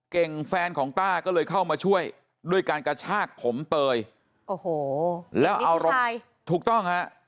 เก่งแฟนของต้าก็เลยเข้ามาช่วยด้วยการกระชากผมเตยโอ้โหแล้วอารมณ์ถูกต้องฮะ